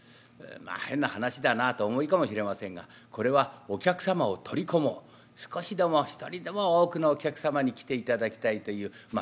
まあ変な話だなあとお思いかもしれませんがこれはお客様を取り込もう少しでも一人でも多くのお客様に来ていただきたいというまあ